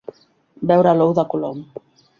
Veure l'Ou de Colom.